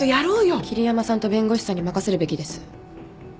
桐山さんと弁護士さんに任せるべきです。